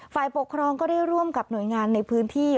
ฝ่ายปกครองก็ได้ร่วมกับหน่วยงานในพื้นที่